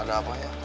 ada apa ya